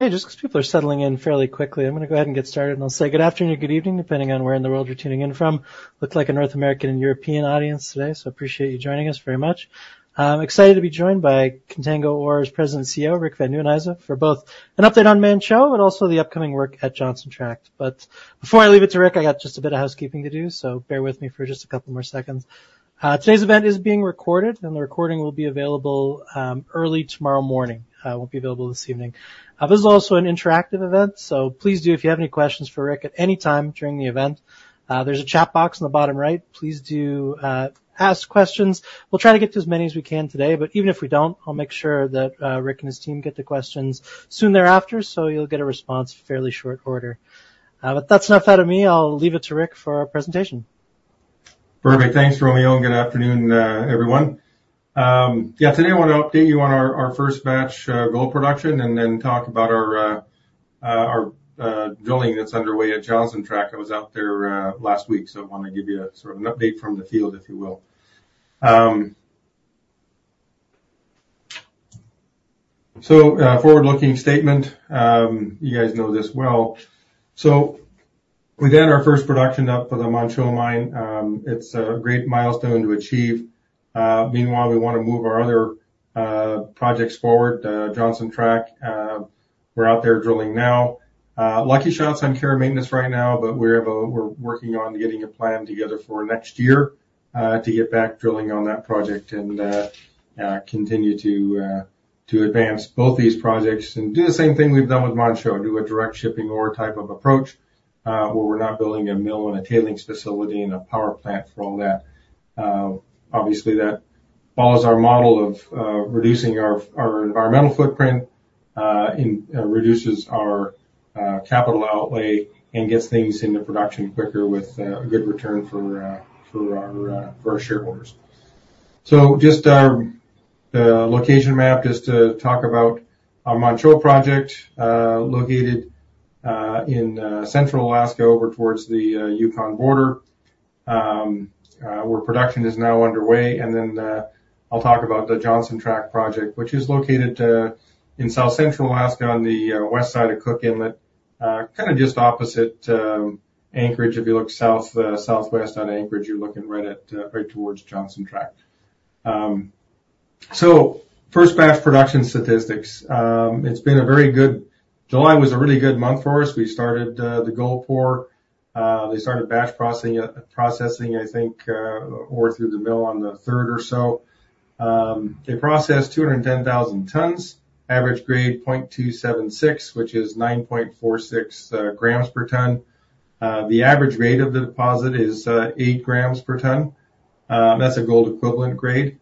Hey, just because people are settling in fairly quickly, I'm gonna go ahead and get started, and I'll say good afternoon, good evening, depending on where in the world you're tuning in from. Looks like a North American and European audience today, so appreciate you joining us very much. Excited to be joined by Contango ORE's President and CEO, Rick Van Nieuwenhuyse, for both an update on Manh Choh and also the upcoming work at Johnson Tract. But before I leave it to Rick, I got just a bit of housekeeping to do, so bear with me for just a couple more seconds. Today's event is being recorded, and the recording will be available early tomorrow morning. It won't be available this evening. This is also an interactive event, so please do, if you have any questions for Rick at any time during the event, there's a chat box on the bottom right. Please do, ask questions. We'll try to get to as many as we can today, but even if we don't, I'll make sure that, Rick and his team get the questions soon thereafter, so you'll get a response in fairly short order. But that's enough out of me. I'll leave it to Rick for our presentation. Perfect. Thanks, Romeo, and good afternoon, everyone. Yeah, today I want to update you on our first batch gold production, and then talk about our drilling that's underway at Johnson Tract. I was out there last week, so I wanna give you a sort of an update from the field, if you will. So, forward-looking statement, you guys know this well. So we've had our first production up for the Manh Choh Mine. It's a great milestone to achieve. Meanwhile, we wanna move our other projects forward. Johnson Tract, we're out there drilling now. Lucky Shot's on care and maintenance right now, but we're working on getting a plan together for next year to get back drilling on that project and continue to advance both these projects and do the same thing we've done with Manh Choh, do a direct shipping ore type of approach, where we're not building a mill and a tailings facility and a power plant for all that. Obviously, that follows our model of reducing our environmental footprint and reduces our capital outlay and gets things into production quicker with a good return for our shareholders. Just our location map, just to talk about our Manh Choh project, located in central Alaska, over towards the Yukon border, where production is now underway. And then, I'll talk about the Johnson Tract project, which is located in south central Alaska, on the west side of Cook Inlet, kinda just opposite Anchorage. If you look south, southwest out of Anchorage, you're looking right towards Johnson Tract. So first batch production statistics. It's been a very good... July was a really good month for us. We started the gold pour. They started batch processing, I think, ore through the mill on the third or so. They processed 210,000 tons, average grade .276, which is 9.46 grams per ton. The average grade of the deposit is eight grams per ton. That's a gold equivalent grade.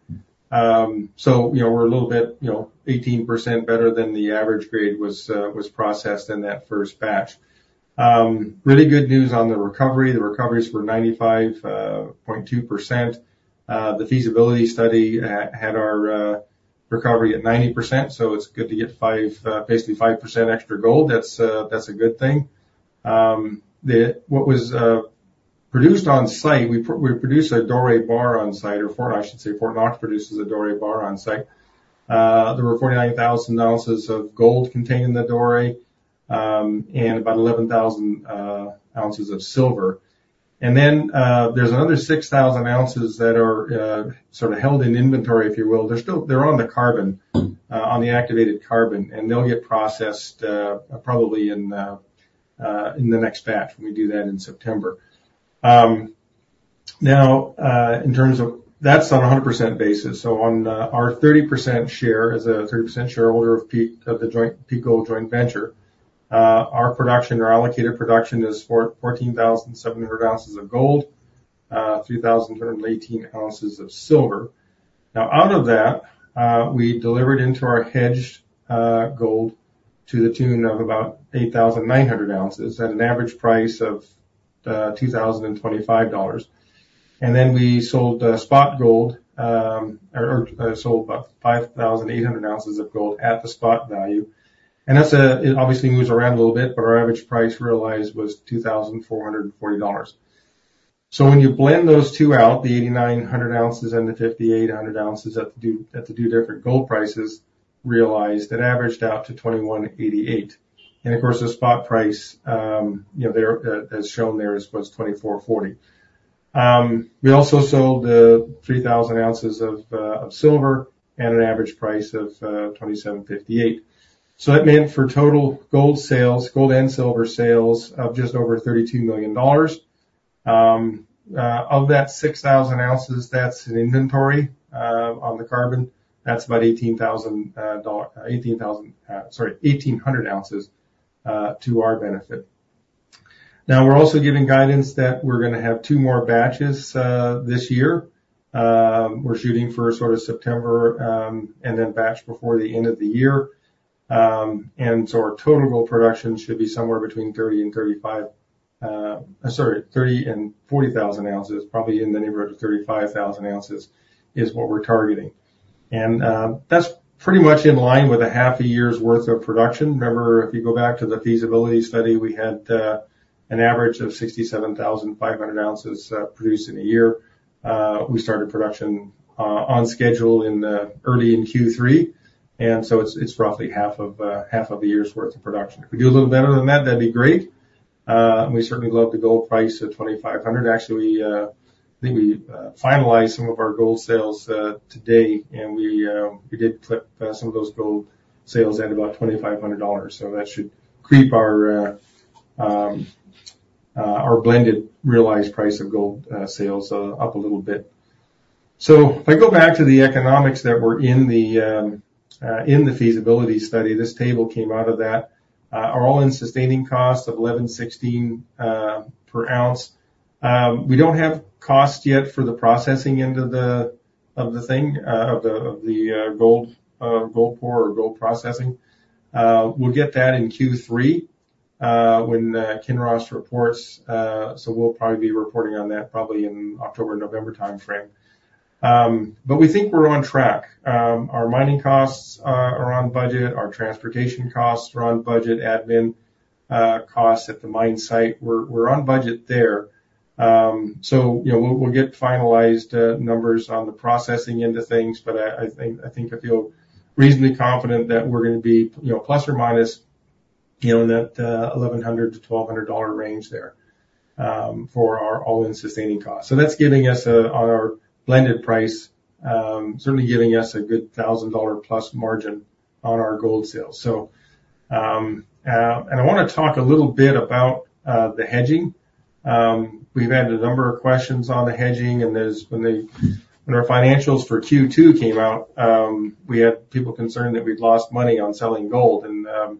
So you know, we're a little bit, you know, 18% better than the average grade was processed in that first batch. Really good news on the recovery. The recoveries were 95.2%. The feasibility study had our recovery at 90%, so it's good to get five, basically 5% extra gold. That's a good thing. What was produced on-site, we produced a doré bar on-site, or Fort, I should say, Fort Knox produces a doré bar on-site. There were 49,000 ounces of gold contained in the doré, and about 11,000 ounces of silver. And then, there's another 6,000 ounces that are sort of held in inventory, if you will. They're on the carbon, on the activated carbon, and they'll get processed, probably in the next batch, when we do that in September. That's on a 100% basis, so on our 30% share, as a 30% shareholder of Peak, of the Peak Gold joint venture, our production, our allocated production is for 14,700 ounces of gold, 3,118 ounces of silver. Now, out of that, we delivered into our hedged gold to the tune of about 8,900 ounces at an average price of $2,025, and then we sold spot gold, or sold about 5,800 ounces of gold at the spot value. And that's it obviously moves around a little bit, but our average price realized was $2,400. So when you blend those two out, the 8,900 ounces and the 5,800 ounces at the two different gold prices realized, it averaged out to $2,188. And of course, the spot price you know there as shown there is was $2,440. We also sold 3,000 ounces of silver at an average price of $27.58. So that meant for total gold sales gold and silver sales of just over $32 million. Of that 6,000 ounces that's in inventory on the carbon. That's about 1,800 ounces to our benefit. Now, we're also giving guidance that we're gonna have two more batches this year. We're shooting for sort of September, and then batch before the end of the year. And so our total gold production should be somewhere between 30,000 and 40,000 ounces, probably in the neighborhood of 35,000 ounces, is what we're targeting. That's pretty much in line with a half a year's worth of production. Remember, if you go back to the feasibility study, we had an average of 67,500 ounces produced in a year. We started production on schedule in early Q3, and so it's roughly half of a year's worth of production. If we do a little better than that, that'd be great. We certainly love the gold price at 2,500. Actually, I think we finalized some of our gold sales today, and we did clip some of those gold sales at about $2,500. So that should creep our blended realized price of gold sales up a little bit. So if I go back to the economics that were in the feasibility study, this table came out of that. Our all-in sustaining costs of 1,116 per ounce. We don't have costs yet for the processing end of the thing, of the gold pour or gold processing. We'll get that in Q3, when Kinross reports. So we'll probably be reporting on that probably in October, November time frame. But we think we're on track. Our mining costs are on budget, our transportation costs are on budget, admin costs at the mine site, we're on budget there. So, you know, we'll get finalized numbers on the processing end of things, but I think I feel reasonably confident that we're gonna be, you know, plus or minus, you know, in that $1,100-$1,200 range there, for our all-in sustaining costs. So that's giving us, on our blended price, certainly giving us a good $1,000+ margin on our gold sales. So, and I wanna talk a little bit about the hedging. We've had a number of questions on the hedging, and as when the... When our financials for Q2 came out, we had people concerned that we'd lost money on selling gold. The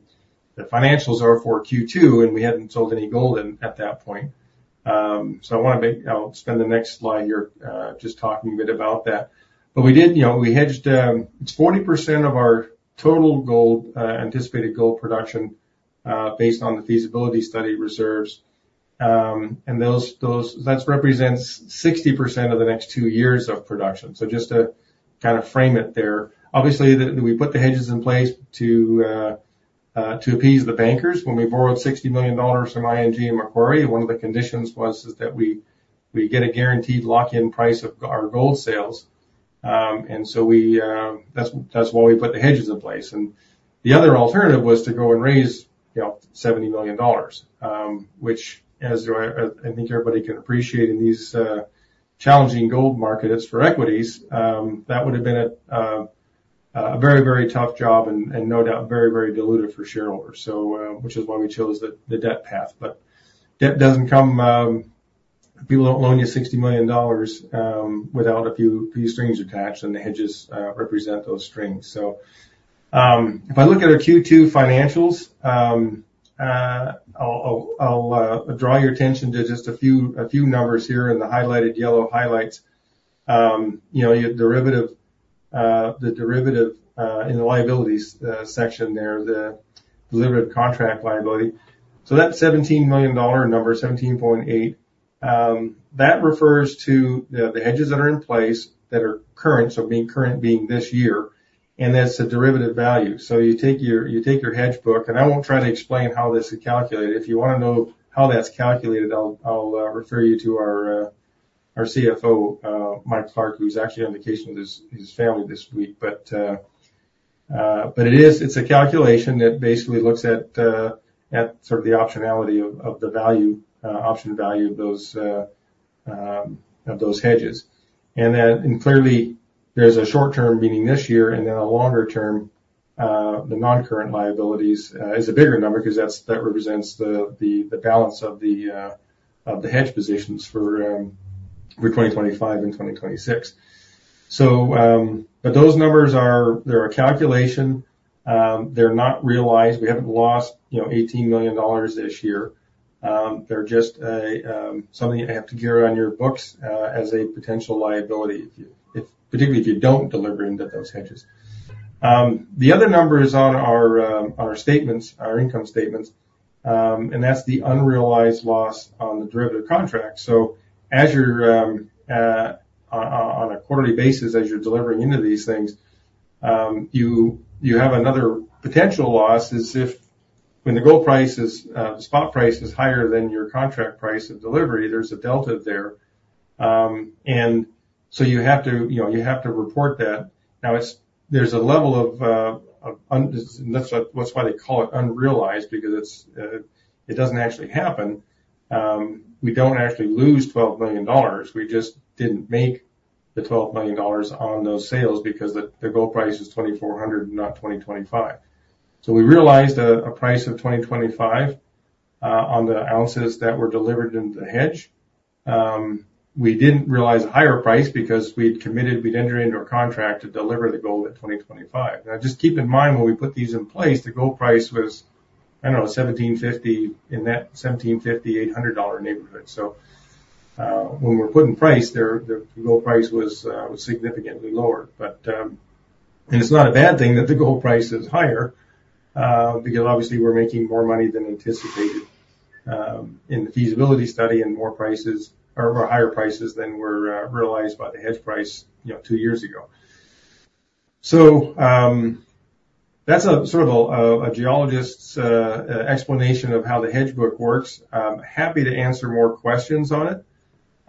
financials are for Q2, and we hadn't sold any gold at that point. I wanna spend the next slide here just talking a bit about that. We did, you know, we hedged. It's 40% of our total gold anticipated gold production based on the feasibility study reserves, and that represents 60% of the next two years of production. Just to kind of frame it there. Obviously, we put the hedges in place to appease the bankers. When we borrowed $60 million from ING and Macquarie, one of the conditions was that we get a guaranteed lock-in price of our gold sales. That's why we put the hedges in place. The other alternative was to go and raise, you know, $70 million, which, as I think, everybody can appreciate in these challenging gold markets for equities, that would have been a very, very tough job and no doubt very, very dilutive for shareholders. Which is why we chose the debt path. But debt doesn't come... people don't loan you $60 million without a few strings attached, and the hedges represent those strings. If I look at our Q2 financials, I'll draw your attention to just a few numbers here in the highlighted yellow highlights. You know, you have the derivative in the liabilities section there, the derivative contract liability. So that $17 million number, $17.8, that refers to the hedges that are in place that are current, so being current this year, and that's the derivative value. So you take your, you take your hedge book, and I won't try to explain how this is calculated. If you wanna know how that's calculated, I'll refer you to our CFO, Mike Clark, who's actually on vacation with his family this week. But, but it is, it's a calculation that basically looks at sort of the optionality of the value, option value of those, of those hedges. Clearly, there's a short term, meaning this year, and then a longer term. The non-current liabilities is a bigger number because that represents the balance of the hedge positions for 2025 and 2026. But those numbers are... They're a calculation. They're not realized. We haven't lost, you know, $18 million this year. They're just a something you have to carry on your books as a potential liability, if, particularly if you don't deliver into those hedges. The other numbers on our statements, our income statements, and that's the unrealized loss on the derivative contract. So as you're on a quarterly basis, as you're delivering into these things, you have another potential loss if when the gold price is the spot price is higher than your contract price of delivery. There's a delta there. And so you have to, you know, you have to report that. Now, there's a level of. That's why, that's why they call it unrealized, because it doesn't actually happen. We don't actually lose $12 million. We just didn't make the $12 million on those sales because the gold price is $2,400, not $2,025. So we realized a price of $2,025 on the ounces that were delivered into the hedge. We didn't realize a higher price because we'd committed, we'd entered into a contract to deliver the gold at $2,025. Now, just keep in mind, when we put these in place, the gold price was, I don't know, $1,750, in that $1,750-$1,800 neighborhood. So, when we're putting price there, the gold price was significantly lower. But, and it's not a bad thing that the gold price is higher, because obviously we're making more money than anticipated in the feasibility study and more prices or higher prices than were realized by the hedge price, you know, two years ago. So, that's a sort of a geologist's explanation of how the hedge book works. Happy to answer more questions on it.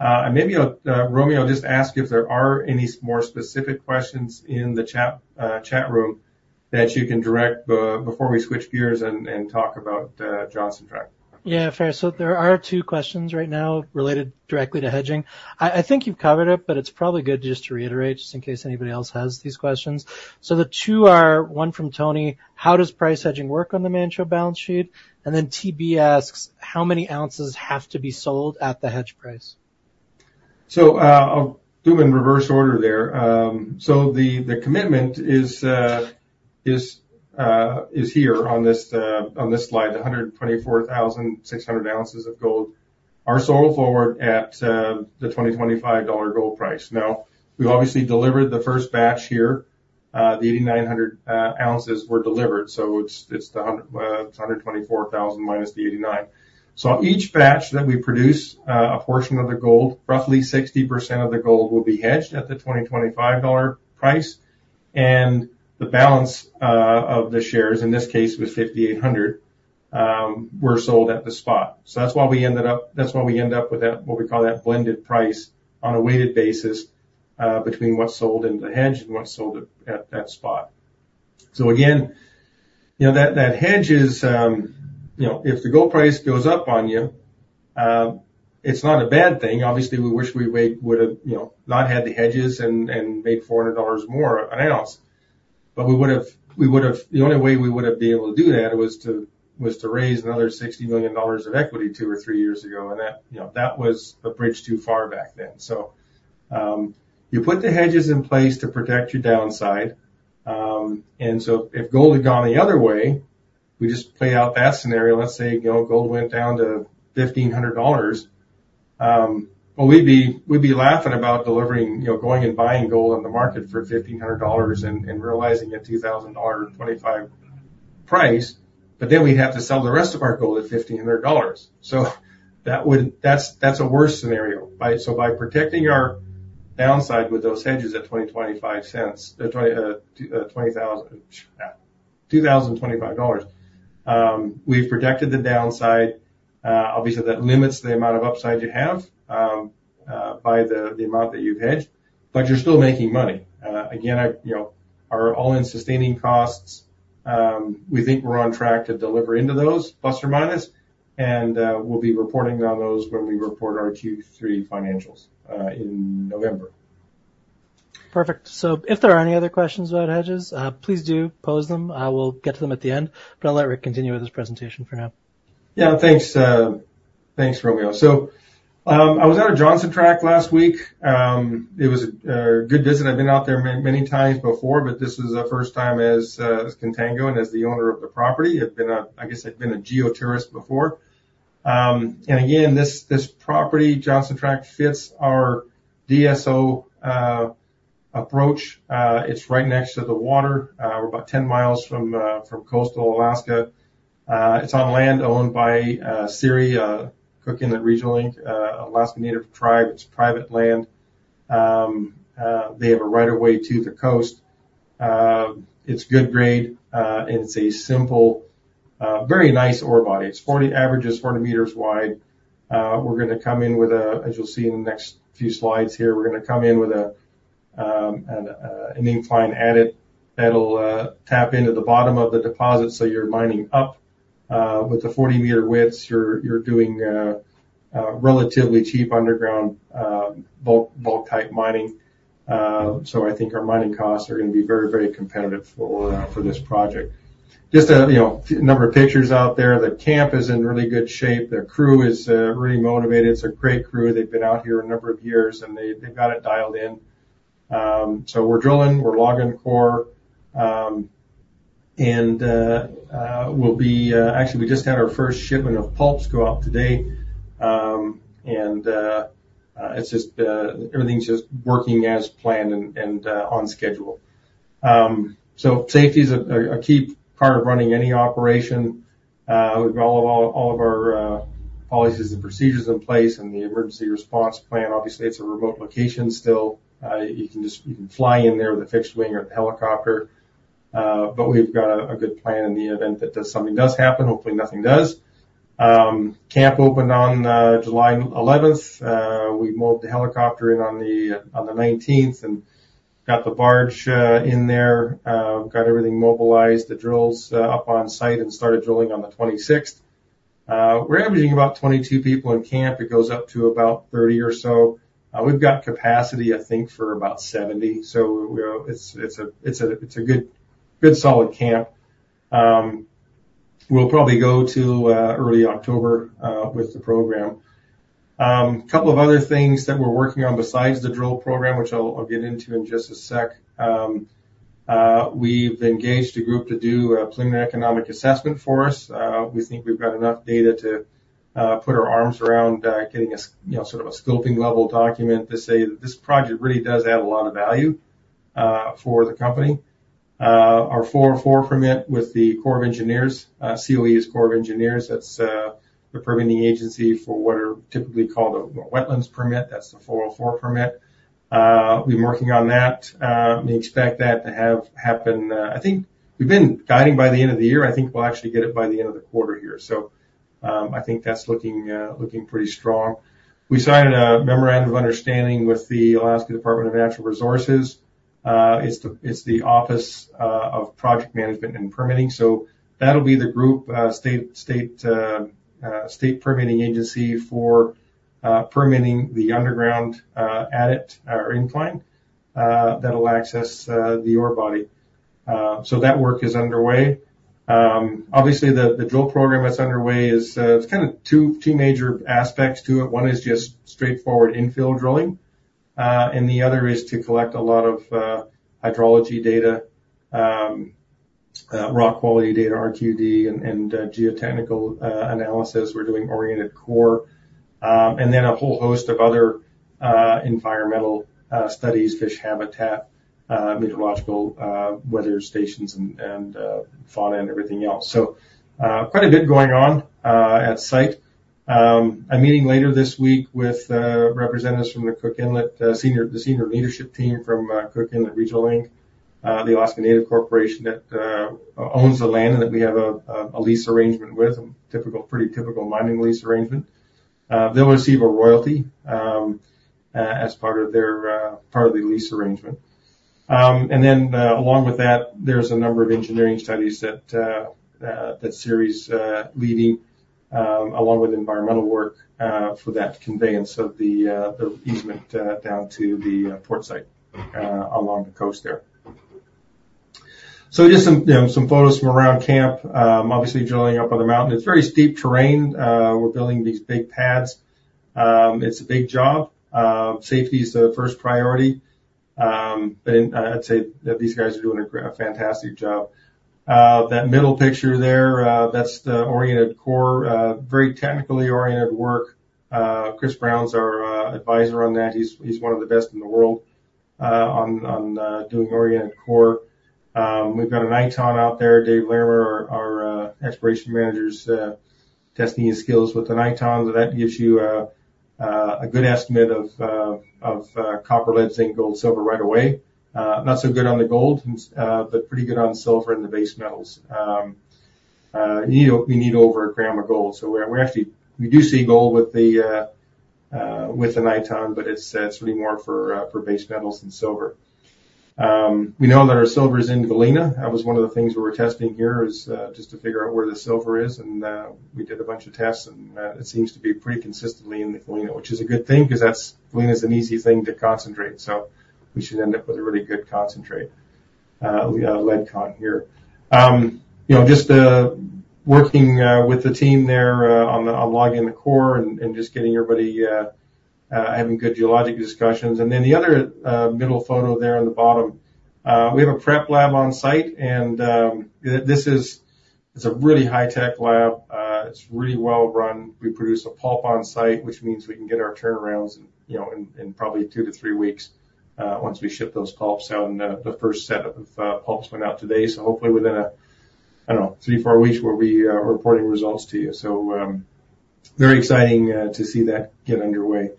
And maybe I'll, Romeo, just ask if there are any more specific questions in the chat room that you can direct before we switch gears and talk about Johnson Tract. Yeah, fair. So there are two questions right now related directly to hedging. I think you've covered it, but it's probably good just to reiterate, just in case anybody else has these questions. So the two are, one from Tony: How does price hedging work on the Contango balance sheet? And then TB asks: How many ounces have to be sold at the hedge price? I'll do them in reverse order there. The commitment is here on this slide. The 124,600 ounces of gold are sold forward at the $2,025 gold price. Now, we obviously delivered the first batch here. The 8,900 ounces were delivered, so it's the 124,000 minus the 8,900. Each batch that we produce, a portion of the gold, roughly 60% of the gold will be hedged at the $2,025 price, and the balance of the shares, in this case, was 5,800 were sold at the spot. So that's why we end up with that, what we call that blended price on a weighted basis, between what's sold into the hedge and what's sold at that spot. So again, you know, that hedge is, you know, if the gold price goes up on you, it's not a bad thing. Obviously, we wish we would've, you know, not had the hedges and made $400 more an ounce. But we would've. The only way we would've been able to do that was to raise another $60 million of equity two or three years ago, and that, you know, that was a bridge too far back then. So you put the hedges in place to protect your downside. So if gold had gone the other way, we just play out that scenario. Let's say, you know, gold went down to $1,500, we'd be laughing about delivering, you know, going and buying gold on the market for $1,500 and realizing a $2,025 price, but then we'd have to sell the rest of our gold at $1,500. That would be a worse scenario. So by protecting our downside with those hedges at $2,025, we've protected the downside. Obviously, that limits the amount of upside you have by the amount that you've hedged, but you're still making money. Again, you know, our all-in sustaining costs. We think we're on track to deliver into those, plus or minus, and we'll be reporting on those when we report our Q3 financials in November. Perfect. So if there are any other questions about hedges, please do pose them. I will get to them at the end, but I'll let Rick continue with his presentation for now. Yeah, thanks, thanks, Romeo. So, I was out at Johnson Tract last week. It was a good visit. I've been out there many, many times before, but this is the first time as, as Contango and as the owner of the property. I've been a geo-tourist before, I guess. And again, this property, Johnson Tract, fits our DSO approach. It's right next to the water. We're about 10 miles from coastal Alaska. It's on land owned by CIRI, Cook Inlet Region, Inc., Alaska Native Tribe. It's private land. They have a right of way to the coast. It's good grade, and it's a simple, very nice ore body. It's 40, averages 40 meters wide. We're gonna come in with a... As you'll see in the next few slides here, we're gonna come in with an incline adit that'll tap into the bottom of the deposit, so you're mining up. With the 40-meter widths, you're doing a relatively cheap underground bulk type mining. So I think our mining costs are gonna be very, very competitive for this project. Just, you know, a number of pictures out there. The camp is in really good shape. The crew is really motivated. It's a great crew. They've been out here a number of years, and they've got it dialed in. So we're drilling, we're logging the core, and we'll be... Actually, we just had our first shipment of pulps go out today, and it's just everything's just working as planned and on schedule. So safety is a key part of running any operation. We've all of our policies and procedures in place and the emergency response plan. Obviously, it's a remote location still. You can just fly in there with a fixed wing or the helicopter, but we've got a good plan in the event that something does happen. Hopefully, nothing does. Camp opened on July 11th. We moved the helicopter in on the 19th and got the barge in there, got everything mobilized, the drills up on site, and started drilling on the 26th. We're averaging about 22 people in camp. It goes up to about 30 or so. We've got capacity, I think, for about 70, so, you know, it's a good, solid camp. We'll probably go to early October with the program. Couple of other things that we're working on besides the drill program, which I'll get into in just a sec. We've engaged a group to do a preliminary economic assessment for us. We think we've got enough data to put our arms around getting a you know, sort of a scoping level document to say that this project really does add a lot of value for the company. Our 404 permit with the Corps of Engineers, COE is Corps of Engineers. That's the permitting agency for what are typically called a wetlands permit. That's the 404 permit. We've been working on that. We expect that to have happen. I think we've been guiding by the end of the year. I think we'll actually get it by the end of the quarter here. I think that's looking pretty strong. We signed a memorandum of understanding with the Alaska Department of Natural Resources. It's the office of Project Management and Permitting. That'll be the group, state permitting agency for permitting the underground adit or incline that'll access the ore body. That work is underway. Obviously, the drill program that's underway is kinda two major aspects to it. One is just straightforward infill drilling, and the other is to collect a lot of hydrology data, rock quality data, RQD, and geotechnical analysis. We're doing oriented core, and then a whole host of other environmental studies, fish habitat, meteorological weather stations, and fauna and everything else. Quite a bit going on at site. A meeting later this week with representatives from the Cook Inlet, the senior leadership team from Cook Inlet Region, Inc., the Alaska Native Corporation, that owns the land, and that we have a lease arrangement with, a typical, pretty typical mining lease arrangement. They'll receive a royalty, as part of their part of the lease arrangement. And then, along with that, there's a number of engineering studies that series leading along with environmental work for that conveyance of the easement down to the port site along the coast there. So just some photos from around camp. Obviously, drilling up on the mountain. It's very steep terrain. We're building these big pads. It's a big job. Safety is the first priority. And I'd say that these guys are doing a fantastic job. That middle picture there, that's the oriented core, very technically oriented work. Chris Brown's our advisor on that. He's one of the best in the world on doing oriented core. We've got a Niton out there, Dave Larimer, our exploration manager's testing his skills with the Niton. So that gives you a good estimate of copper, lead, zinc, gold, silver right away. Not so good on the gold, but pretty good on silver and the base metals. You know, we need over a gram of gold. So we're actually... We do see gold with the Niton, but it's really more for base metals than silver. We know that our silver is in galena. That was one of the things we were testing here, just to figure out where the silver is, and we did a bunch of tests, and it seems to be pretty consistently in the galena, which is a good thing 'cause that's galena is an easy thing to concentrate. So we should end up with a really good concentrate, lead con here. You know, just working with the team there on logging the core and just getting everybody having good geologic discussions. And then the other middle photo there on the bottom, we have a prep lab on site, and this is, it's a really high-tech lab. It's really well-run. We produce a pulp on site, which means we can get our turnarounds, you know, in probably two to three weeks once we ship those pulps out. And the first set of pulps went out today. So hopefully, within, I don't know, three, four weeks, we'll be reporting results to you. So very exciting to see that get underway.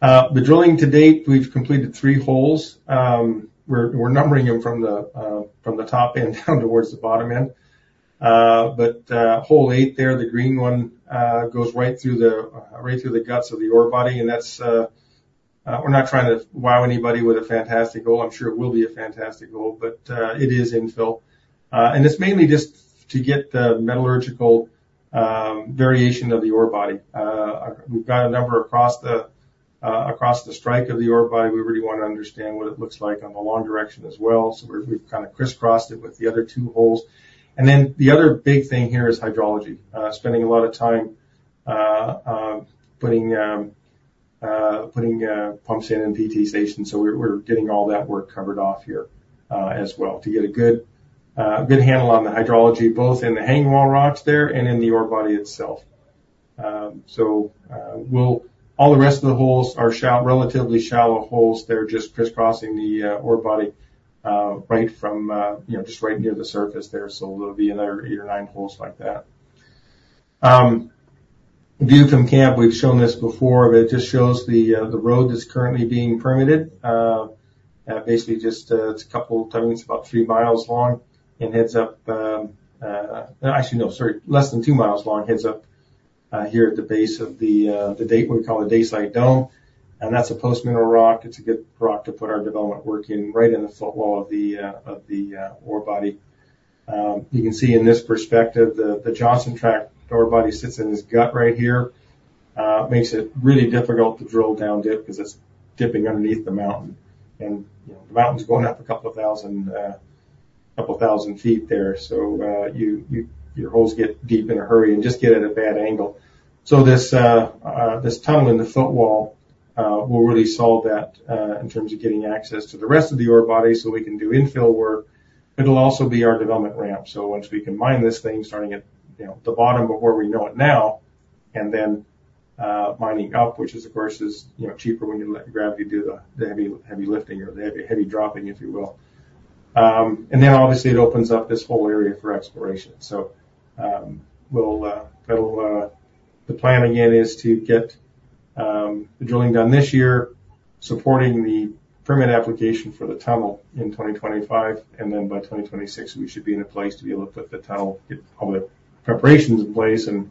The drilling to date, we've completed three holes. We're numbering them from the top end down towards the bottom end. But hole eight there, the green one, goes right through the right through the guts of the ore body, and that's... We're not trying to wow anybody with a fantastic hole. I'm sure it will be a fantastic hole, but it is infill. It's mainly just to get the metallurgical variation of the ore body. We've got a number across the strike of the ore body. We really wanna understand what it looks like on the long direction as well. So we've kind of crisscrossed it with the other two holes. And then the other big thing here is hydrology, spending a lot of time putting pumps in and PT stations. So we're getting all that work covered off here as well to get a good handle on the hydrology, both in the hanging wall rocks there and in the ore body itself. So we'll... All the rest of the holes are relatively shallow holes. They're just crisscrossing the ore body right from you know just right near the surface there. So there'll be another eight or nine holes like that. View from camp, we've shown this before, but it just shows the road that's currently being permitted. Basically, just a, it's a couple. I think it's about three miles long and heads up. Actually, no, sorry, less than two miles long, heads up here at the base of the Dacite Dome, and that's a post-mineral rock. It's a good rock to put our development work in, right in the footwall of the ore body. You can see in this perspective, the Johnson Tract ore body sits in this gut right here. Makes it really difficult to drill down dip, 'cause it's dipping underneath the mountain. You know, the mountain's going up a couple of thousand feet there, so your holes get deep in a hurry and just get at a bad angle. So this tunnel in the footwall will really solve that in terms of getting access to the rest of the ore body, so we can do infill work. It'll also be our development ramp. So once we can mine this thing, starting at, you know, the bottom of where we know it now and then mining up, which is, of course, you know, cheaper when you let gravity do the heavy lifting or the heavy dropping, if you will. Then, obviously, it opens up this whole area for exploration. The plan, again, is to get the drilling done this year, supporting the permit application for the tunnel in 2025, and then by 2026, we should be in a place to be able to put the tunnel, get all the preparations in place and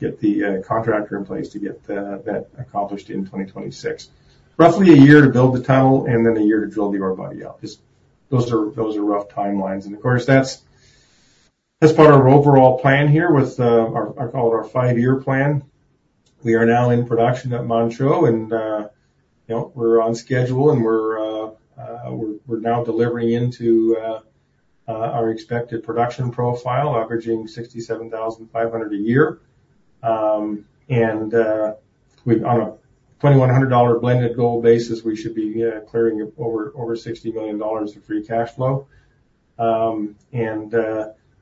get the contractor in place to get that accomplished in 2026. Roughly a year to build the tunnel and then a year to drill the ore body out. Those are rough timelines. And of course, that's part of our overall plan here with our. I call it our five-year plan. We are now in production at Manh Choh, and you know, we're on schedule, and we're now delivering into our expected production profile, averaging 67,500 a year. On a $2,100 blended gold basis, we should be clearing over $60 million of free cash flow.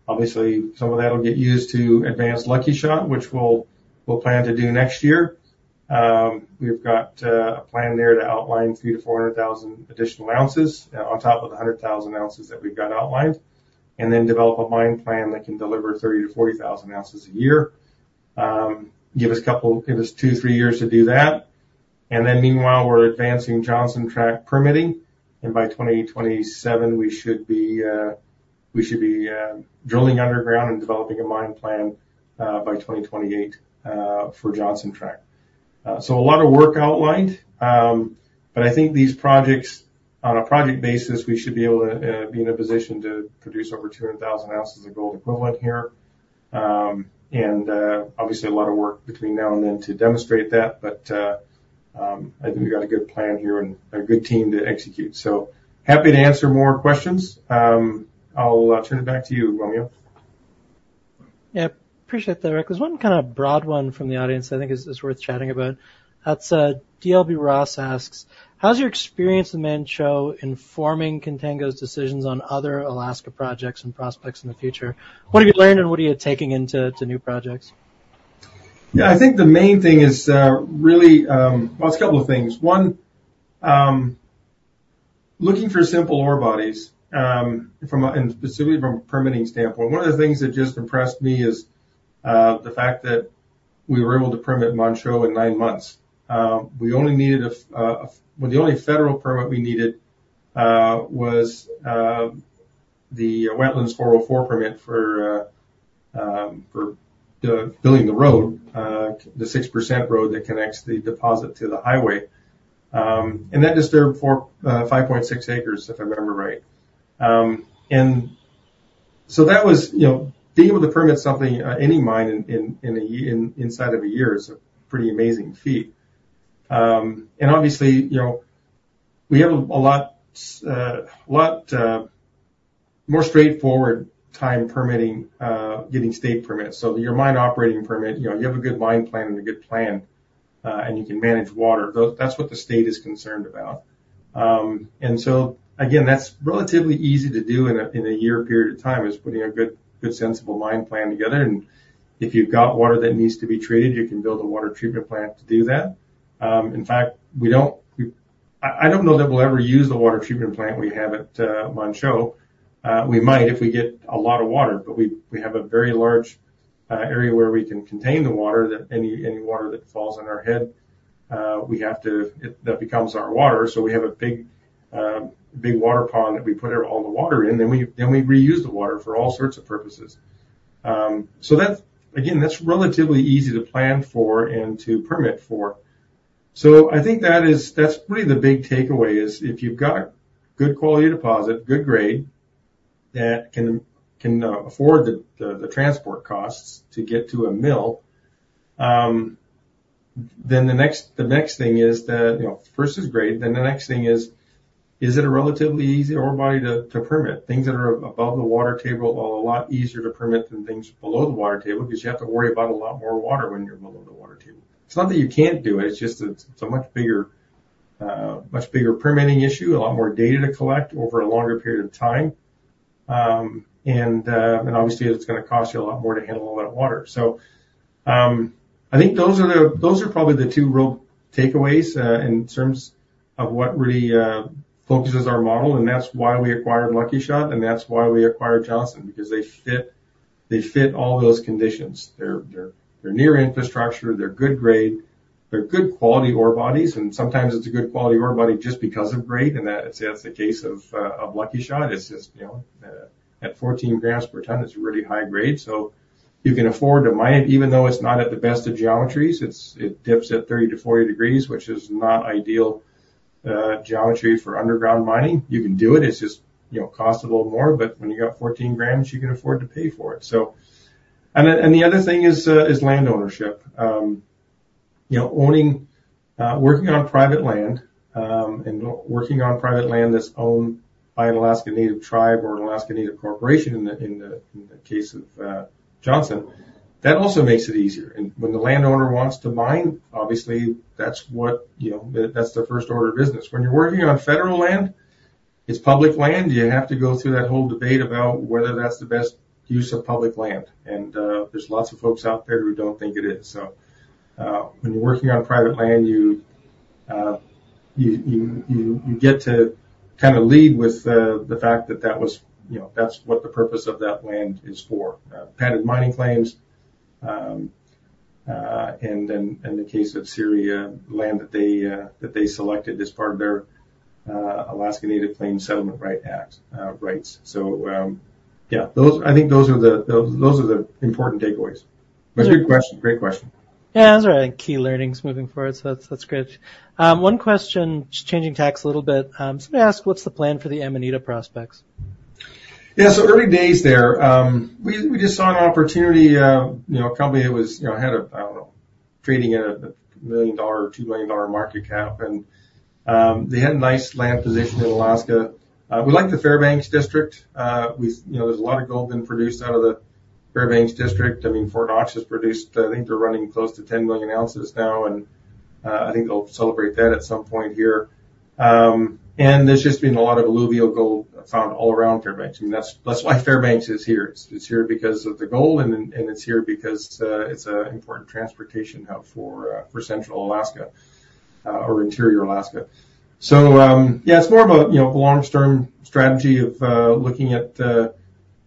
Obviously, some of that will get used to advance Lucky Shot, which we'll plan to do next year. We've got a plan there to outline 300,000-400,000 additional ounces on top of the 100,000 ounces that we've got outlined, and then develop a mine plan that can deliver 30,000-40,000 ounces a year. Give us two, three years to do that. Meanwhile, we're advancing Johnson Tract permitting, and by 2027, we should be drilling underground and developing a mine plan by 2028 for Johnson Tract. So a lot of work outlined, but I think these projects, on a project basis, we should be able to be in a position to produce over two hundred thousand ounces of gold equivalent here. And obviously, a lot of work between now and then to demonstrate that, but I think we've got a good plan here and a good team to execute. So happy to answer more questions. I'll turn it back to you, Romeo. Yeah. Appreciate that, Rick. There's one kind of broad one from the audience I think is worth chatting about. That's, DLB Ross asks: How's your experience in Manh Choh informing Contango's decisions on other Alaska projects and prospects in the future? What have you learned, and what are you taking into to new projects? Yeah, I think the main thing is, really. Well, it's a couple of things. One, looking for simple ore bodies, and specifically from a permitting standpoint. One of the things that just impressed me is the fact that we were able to permit Manh Choh in nine months. We only needed, well, the only federal permit we needed was the wetlands 404 permit for building the road, the 6% road that connects the deposit to the highway. And that disturbed 45.6 acres, if I remember right. And so that was, you know, being able to permit something, any mine in a year, inside of a year is a pretty amazing feat. And obviously, you know, we have a lot more straightforward time permitting getting state permits. So your mine operating permit, you know, you have a good mine plan and a good plan, and you can manage water. That's what the state is concerned about. And so again, that's relatively easy to do in a year period of time, is putting a good sensible mine plan together, and if you've got water that needs to be treated, you can build a water treatment plant to do that. In fact, we don't. I don't know that we'll ever use the water treatment plant we have at Manh Choh. We might if we get a lot of water, but we, we have a very large area where we can contain the water that any, any water that falls on our head, we have to... It, that becomes our water. So we have a big, big water pond that we put all the water in, then we, then we reuse the water for all sorts of purposes. So that's, again, that's relatively easy to plan for and to permit for. So I think that is, that's really the big takeaway, is if you've got a good quality deposit, good grade, that can, can afford the, the the transport costs to get to a mill, then the next, the next thing is that, you know, first is grade, then the next thing is: Is it a relatively easy ore body to, to permit? Things that are above the water table are a lot easier to permit than things below the water table, because you have to worry about a lot more water when you're below the water table. It's not that you can't do it, it's just that it's a much bigger, much bigger permitting issue, a lot more data to collect over a longer period of time. And obviously, it's gonna cost you a lot more to handle all that water. So, I think those are the, those are probably the two real takeaways, in terms of what really focuses our model, and that's why we acquired Lucky Shot, and that's why we acquired Johnson, because they fit, they fit all those conditions. They're near infrastructure, they're good grade, they're good quality ore bodies, and sometimes it's a good quality ore body just because of grade, and that's the case of Lucky Shot. It's just, you know, at 14 grams per ton, it's a really high grade, so you can afford to mine it, even though it's not at the best of geometries. It dips at 30-40 degrees, which is not ideal geometry for underground mining. You can do it, it's just, you know, costs a little more, but when you got 14 grams, you can afford to pay for it. So. And then, the other thing is landownership. You know, owning, working on private land, and working on private land that's owned by an Alaska Native tribe or an Alaska Native corporation, in the case of Johnson, that also makes it easier. When the landowner wants to mine, obviously, that's what, you know, that's the first order of business. When you're working on federal land. It's public land. You have to go through that whole debate about whether that's the best use of public land, and there's lots of folks out there who don't think it is. So, when you're working on private land, you get to kinda lead with the fact that that was, you know, that's what the purpose of that land is for. Patented mining claims, and then in the case of CIRI, land that they selected as part of their Alaska Native Claims Settlement Act rights. So, yeah, those. I think those are the important takeaways. But good question. Great question. Yeah, those are, I think, key learnings moving forward, so that's, that's great. One question, just changing tacks a little bit. Somebody asked, what's the plan for the Amanita prospects? Yeah, so early days there. We just saw an opportunity, you know, a company that was, you know, had a, I don't know, trading at a $1 million, $2 million market cap, and they had a nice land position in Alaska. We like the Fairbanks District. You know, there's a lot of gold being produced out of the Fairbanks District. I mean, Fort Knox has produced, I think they're running close to 10 million ounces now, and I think they'll celebrate that at some point here. And there's just been a lot of alluvial gold found all around Fairbanks, and that's why Fairbanks is here. It's here because of the gold, and it's here because it's an important transportation hub for central Alaska, or interior Alaska. So, yeah, it's more of a, you know, a long-term strategy of looking at the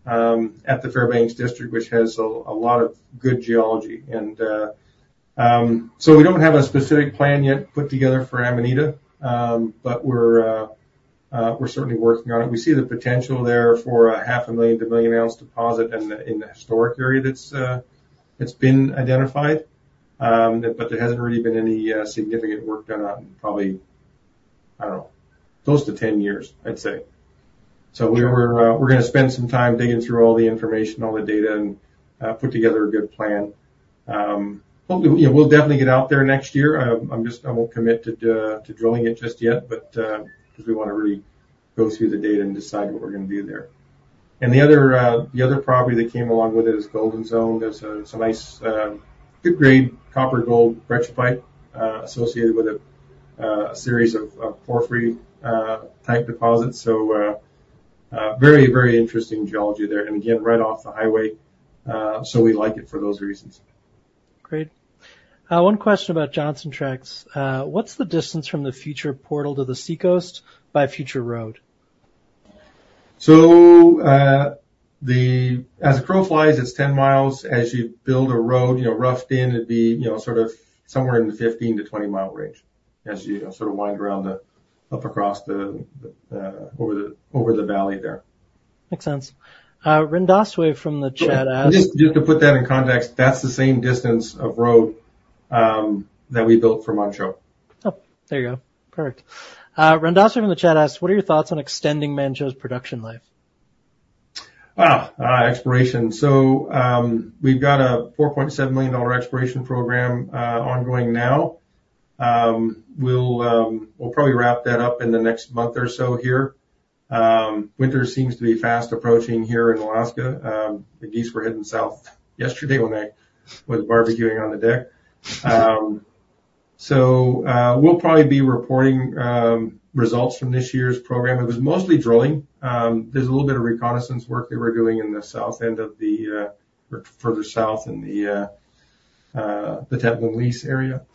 Fairbanks District, which has a lot of good geology. And so we don't have a specific plan yet put together for Amanita, but we're certainly working on it. We see the potential there for a 500,000 to 1 million-ounce deposit in the historic area that's been identified. But there hasn't really been any significant work done on it in probably, I don't know, close to 10 years, I'd say. So we're gonna spend some time digging through all the information, all the data, and put together a good plan. Hopefully, yeah, we'll definitely get out there next year. I'm just-- I won't commit to drilling it just yet, but 'cause we wanna really go through the data and decide what we're gonna do there. And the other property that came along with it is Golden Zone. There's some nice good grade copper, gold, pyrite associated with a series of porphyry type deposits. So very, very interesting geology there, and again, right off the highway, so we like it for those reasons. Great. One question about Johnson Tract. What's the distance from the future portal to the seacoast by future road? As the crow flies, it's 10 miles. As you build a road, you know, roughed in, it'd be, you know, sort of somewhere in the 15-20-mile range, as you sort of wind around the, up across the, over the, over the valley there. Makes sense. Rendaswe from the chat asked- Just to put that in context, that's the same distance of road that we built for Manh Choh. Oh, there you go. Perfect. Rendaswe from the chat asked: what are your thoughts on extending Manh Choh's production life? Exploration, so we've got a $4.7 million exploration program ongoing now. We'll probably wrap that up in the next month or so here. Winter seems to be fast approaching here in Alaska. The geese were heading south yesterday when I was barbecuing on the deck, so we'll probably be reporting results from this year's program. It was mostly drilling. There's a little bit of reconnaissance work that we're doing in the south end, further south in the Tetlin Lease area.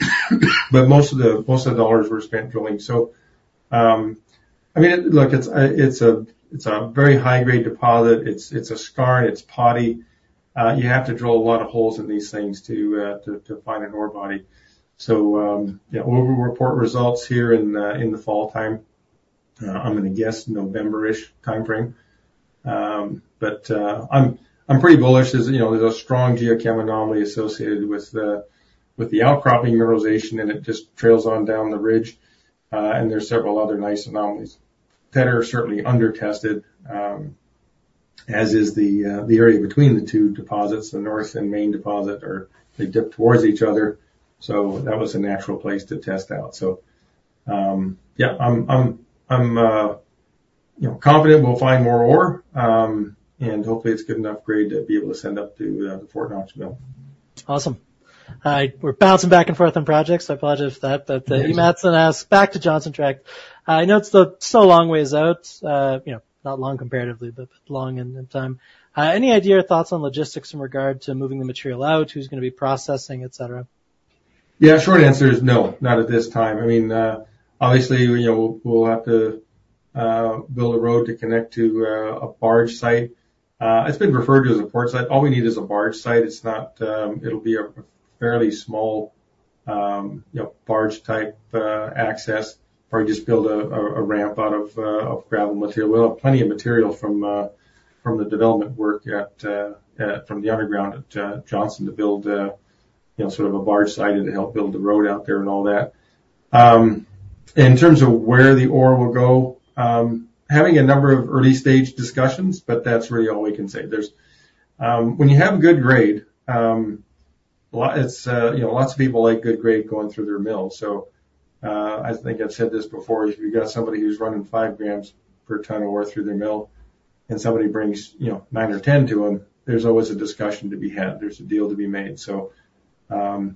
But most of the dollars were spent drilling, so I mean, look, it's a very high-grade deposit. It's a skarn, and it's pretty. You have to drill a lot of holes in these things to find an ore body. So, yeah, we'll report results here in the fall time. I'm gonna guess November-ish timeframe. But, I'm pretty bullish. As you know, there's a strong geochem anomaly associated with the outcropping mineralization, and it just trails on down the ridge, and there are several other nice anomalies that are certainly undertested, as is the area between the two deposits. The North and main deposit are... They dip towards each other, so that was a natural place to test out. So, yeah, I'm confident we'll find more ore, and hopefully it's good enough grade to be able to send up to the Fort Knox Mill. Awesome. We're bouncing back and forth on projects. I apologize for that. Easy. Matson asked, back to Johnson Tract. I know it's still a long ways out, you know, not long comparatively, but long in time. Any idea or thoughts on logistics in regard to moving the material out, who's gonna be processing, etcetera? Yeah, short answer is no, not at this time. I mean, obviously, you know, we'll have to build a road to connect to a barge site. It's been referred to as a port site. All we need is a barge site. It's not... It'll be a fairly small, you know, barge-type access, or just build a ramp out of gravel material. We'll have plenty of material from the development work at the underground at Johnson to build, you know, sort of a barge site and to help build the road out there and all that. In terms of where the ore will go, having a number of early-stage discussions, but that's really all we can say. There's... When you have a good grade lot, it's you know lots of people like good grade going through their mill. So I think I've said this before, if you've got somebody who's running five grams per ton of ore through their mill, and somebody brings you know nine or 10 to them, there's always a discussion to be had. There's a deal to be made. So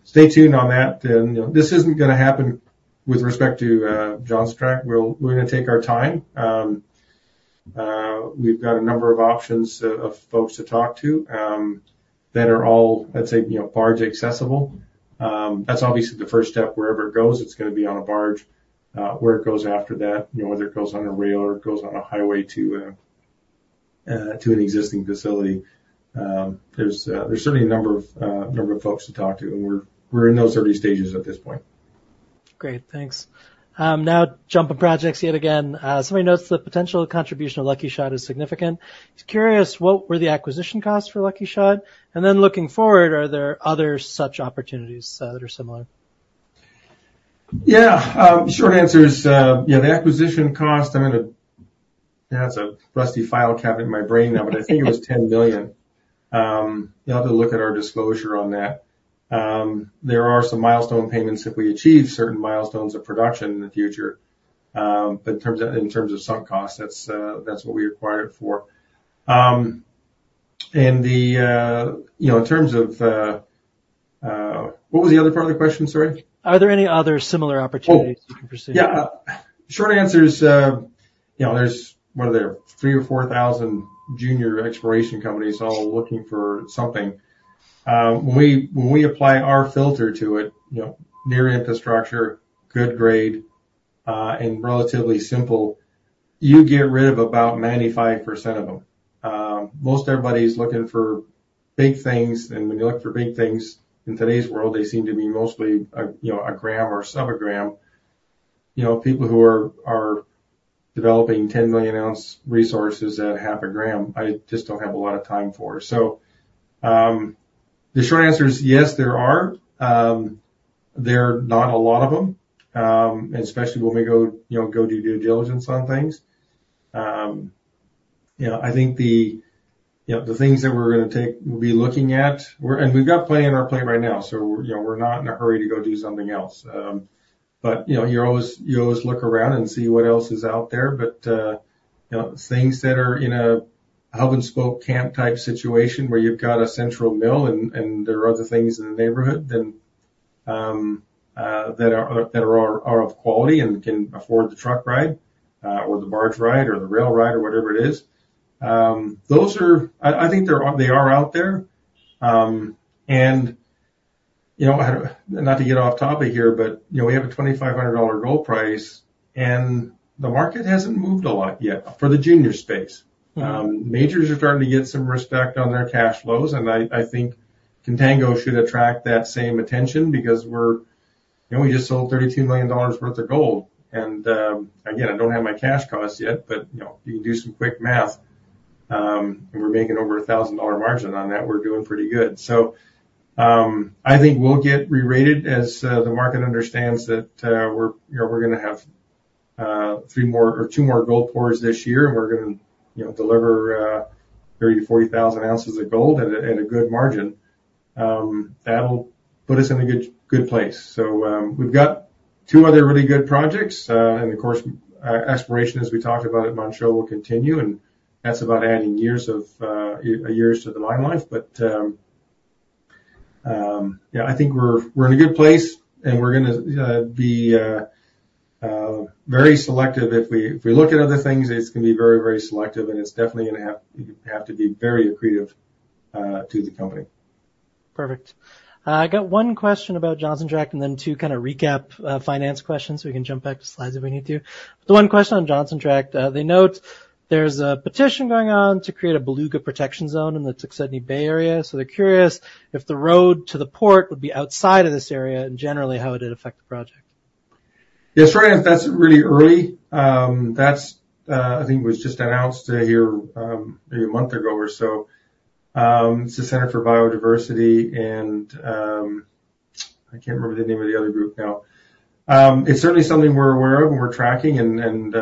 stay tuned on that. You know this isn't gonna happen with respect to Johnson Tract. We're gonna take our time. We've got a number of options of folks to talk to that are all let's say you know barge accessible. That's obviously the first step. Wherever it goes, it's gonna be on a barge. Where it goes after that, you know, whether it goes on a rail or it goes on a highway to, to an existing facility, there's certainly a number of folks to talk to, and we're in those early stages at this point. Great, thanks. Now jumping projects yet again. Somebody notes the potential contribution of Lucky Shot is significant. Just curious, what were the acquisition costs for Lucky Shot? And then looking forward, are there other such opportunities, that are similar? Yeah. Short answer is, yeah, the acquisition cost. Yeah, that's a rusty file cabinet in my brain now, but I think it was $10 million. You'll have to look at our disclosure on that. There are some milestone payments if we achieve certain milestones of production in the future. But in terms of sunk costs, that's what we acquired it for. What was the other part of the question, sorry? Are there any other similar opportunities? Oh! -you can pursue? Yeah. Short answer is, you know, there's, what, are there three or four thousand junior exploration companies all looking for something? When we apply our filter to it, you know, near infrastructure, good grade, and relatively simple, you get rid of about 95% of them. Most everybody's looking for big things, and when you look for big things in today's world, they seem to be mostly a, you know, a gram or a subgram. You know, people who are developing 10 million ounce resources at half a gram, I just don't have a lot of time for. So, the short answer is, yes, there are. There are not a lot of them, and especially when we go, you know, go do due diligence on things. You know, I think the things that we're gonna take. We'll be looking at, and we've got plenty on our plate right now, so, you know, we're not in a hurry to go do something else. You know, you always look around and see what else is out there. You know, things that are in a hub and spoke camp type situation, where you've got a central mill and there are other things in the neighborhood that are of quality and can afford the truck ride or the barge ride or the rail ride or whatever it is, are out there. I think they are out there. Not to get off topic here, but, you know, we have a $2,500 gold price, and the market hasn't moved a lot yet for the junior space. Mm-hmm. Majors are starting to get some respect on their cash flows, and I think Contango should attract that same attention because we're... You know, we just sold $32 million worth of gold. And, again, I don't have my cash costs yet, but, you know, you can do some quick math. If we're making over a $1,000 margin on that, we're doing pretty good. So, I think we'll get rerated as the market understands that, we're, you know, we're gonna have three more or two more gold pours this year, and we're gonna, you know, deliver 30-40 thousand ounces of gold at a good margin. That'll put us in a good, good place. So, we've got two other really good projects. And of course, exploration, as we talked about at Manh Choh, will continue, and that's about adding years to the mine life. But yeah, I think we're in a good place, and we're gonna be very selective. If we look at other things, it's gonna be very, very selective, and it's definitely gonna have to be very accretive to the company. Perfect. I got one question about Johnson Tract, and then two kind of recap, finance questions, so we can jump back to slides if we need to. The one question on Johnson Tract, they note there's a petition going on to create a beluga protection zone in the Tuxedni Bay area. So they're curious if the road to the port would be outside of this area, and generally, how it'd affect the project. Yeah, sorry, that's really early. That's, I think it was just announced a year, maybe a month ago or so. It's the Center for Biological Diversity and, I can't remember the name of the other group now. It's certainly something we're aware of, and we're tracking, and,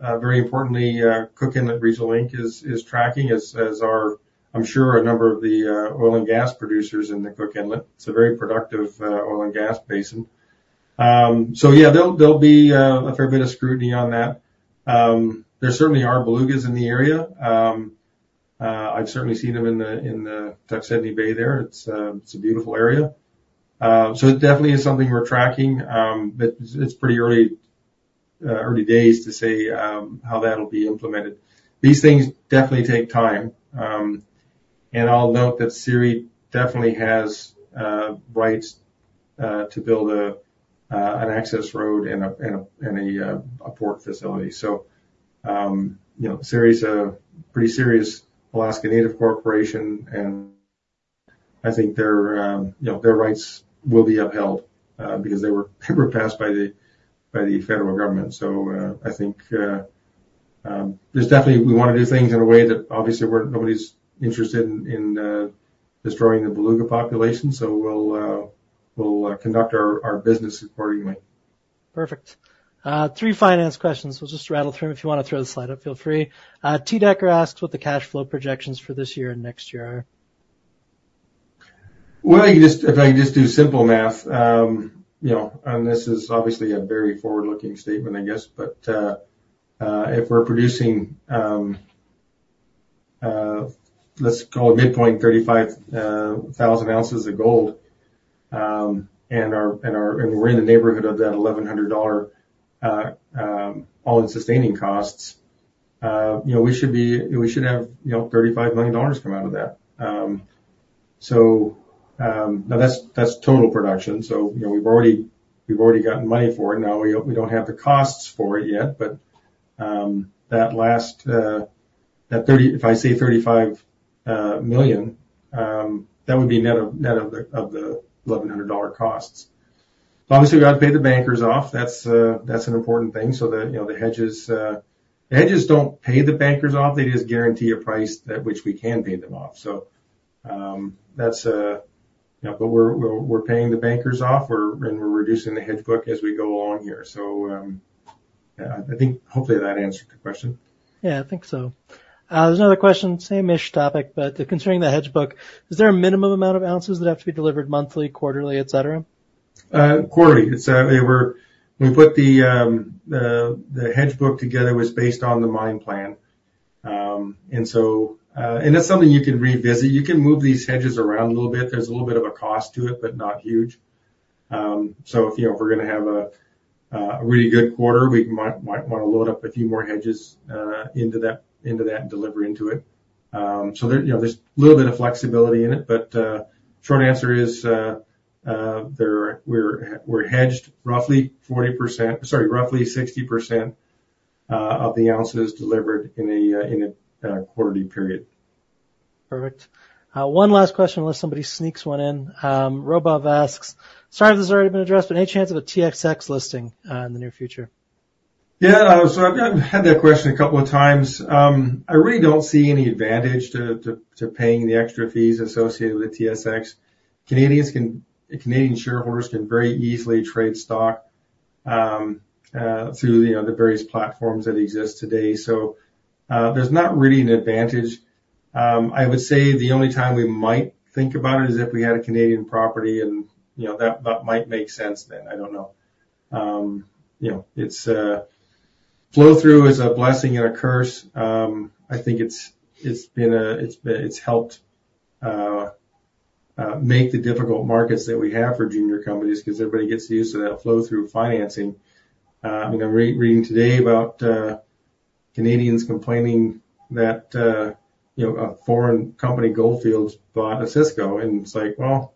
very importantly, Cook Inlet Region Corp is tracking, as are, I'm sure, a number of the oil and gas producers in the Cook Inlet. It's a very productive oil and gas basin. So yeah, there'll be a fair bit of scrutiny on that. There certainly are belugas in the area. I've certainly seen them in the Tuxedni Bay there. It's a beautiful area. So it definitely is something we're tracking. But it's pretty early days to say how that'll be implemented. These things definitely take time. And I'll note that CIRI definitely has rights to build an access road and a port facility. So, you know, CIRI's a pretty serious Alaska Native Corporation, and I think their, you know, their rights will be upheld because they were passed by the federal government. So, I think there's definitely. We wanna do things in a way that obviously, nobody's interested in destroying the beluga population, so we'll conduct our business accordingly. Perfect. Three finance questions. We'll just rattle through them. If you wanna throw the slide up, feel free. T. Decker asked what the cash flow projections for this year and next year are. If I can just do simple math, you know, and this is obviously a very forward-looking statement, I guess. If we're producing. Let's call it midpoint, 35,000 ounces of gold. And we're in the neighborhood of that $1,100 all-in sustaining costs. You know, we should have, you know, $35 million come out of that. Now, that's total production, so, you know, we've already gotten money for it. Now, we don't have the costs for it yet, but, that last, that 30. If I say $35 million, that would be net of the $1,100 costs. Obviously, we've got to pay the bankers off. That's an important thing, so the, you know, the hedges. The hedges don't pay the bankers off, they just guarantee a price at which we can pay them off. So, that's, yeah, but we're paying the bankers off, and we're reducing the hedge book as we go along here. So, yeah, I think hopefully that answered the question. Yeah, I think so. There's another question, same-ish topic, but concerning the hedge book. Is there a minimum amount of ounces that have to be delivered monthly, quarterly, etcetera? Quarterly. It's, we put the hedge book together was based on the mine plan. And so... And that's something you can revisit. You can move these hedges around a little bit. There's a little bit of a cost to it, but not huge. So, you know, if we're gonna have a really good quarter, we might wanna load up a few more hedges into that delivery into it. So there, you know, there's a little bit of flexibility in it, but short answer is, there we're hedged roughly 40%... Sorry, roughly 60%, of the ounces delivered in a quarterly period. Perfect. One last question, unless somebody sneaks one in. Robov asks: Sorry if this has already been addressed, but any chance of a TSX listing in the near future? Yeah, so I've had that question a couple of times. I really don't see any advantage to paying the extra fees associated with TSX. Canadian shareholders can very easily trade stock through, you know, the various platforms that exist today. So, there's not really an advantage. I would say the only time we might think about it is if we had a Canadian property, and, you know, that might make sense then. I don't know. You know, flow-through is a blessing and a curse. I think it's helped make the difficult markets that we have for junior companies, 'cause everybody gets used to that flow-through financing. I mean, I'm reading today about Canadians complaining that you know, a foreign company, Gold Fields, bought Osisko, and it's like, well,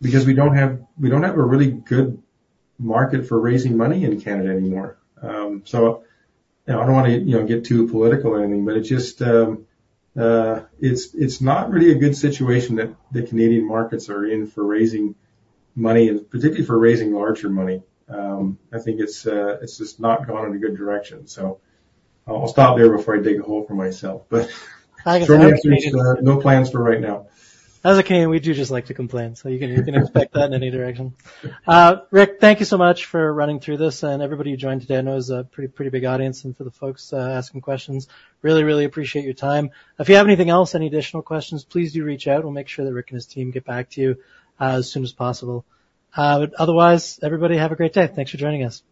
because we don't have, we don't have a really good market for raising money in Canada anymore. So, you know, I don't want to, you know, get too political or anything, but it just, it's, it's not really a good situation that the Canadian markets are in for raising money, and particularly for raising larger money. I think it's, it's just not going in a good direction. So I'll stop there before I dig a hole for myself. But short answer is, no plans for right now. As a Canadian, we do just like to complain, so you can, you can expect that in any direction. Rick, thank you so much for running through this and everybody who joined today. I know it's a pretty, pretty big audience, and for the folks asking questions, really, really appreciate your time. If you have anything else, any additional questions, please do reach out. We'll make sure that Rick and his team get back to you as soon as possible. But otherwise, everybody, have a great day. Thanks for joining us.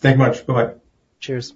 Thank you much. Bye-bye. Cheers.